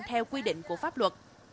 theo quy định của pháp luật